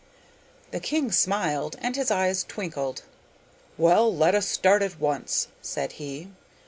The king smiled, and his eyes twinkled. 'Well, let us start at once,' said he.